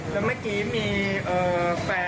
แล้วเมื่อกี้มีแฟน